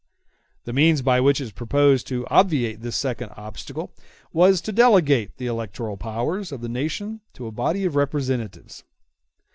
The means by which it was proposed to obviate this second obstacle was to delegate the electoral powers of the nation to a body of representatives.